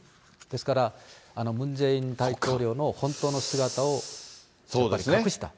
ですから、ムン・ジェイン大統領の本当の姿をやっぱり隠した。